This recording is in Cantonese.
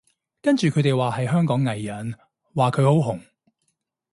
跟住佢哋話係香港藝人，話佢好紅